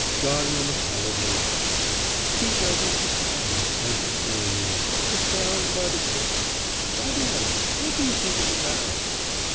Darya Mihailovna laughed. '"He judges the sound," as the saying is, "the sound by the sick." By the way, what do you think of the baron?